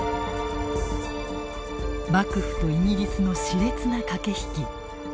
幕末とイギリスのしれつな駆け引き。